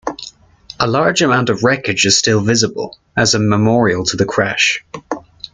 A large amount of wreckage is still visible, as a memorial to the crash.